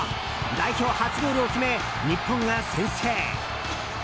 代表初ゴールを決め日本が先制。